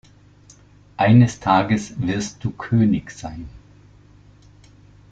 Eines Tages wirst du König sein.